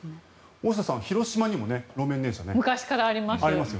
大下さん、広島にも路面電車がありますよね。あります。